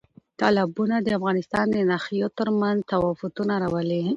تالابونه د افغانستان د ناحیو ترمنځ تفاوتونه راولي.